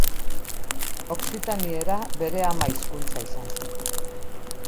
Okzitaniera bere ama hizkuntza izan zen.